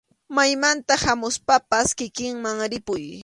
Maymanta hamuspapas kikinman ripuy.